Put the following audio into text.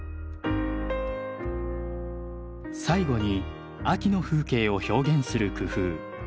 最後に秋の風景を表現する工夫。